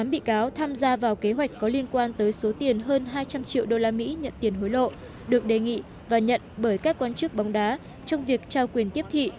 tám bị cáo tham gia vào kế hoạch có liên quan tới số tiền hơn hai trăm linh triệu đô la mỹ nhận tiền hối lộ được đề nghị và nhận bởi các quan chức bóng đá trong việc trao quyền tiếp thị